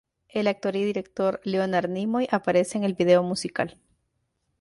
El actor y director Leonard Nimoy aparece en el video musical.